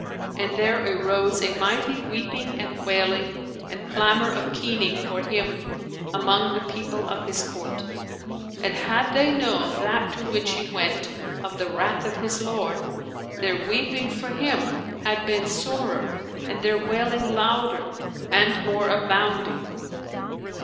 And there arose a mighty weeping and wailing and clamour of keening for him among the people of his court, and had they known that to which he went of the wrath of his Lord, their weeping for him had been sorer and their wailing louder and more abounding.